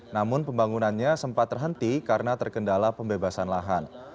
namun pembangunannya sempat terhenti karena terkendala pembebasan lahan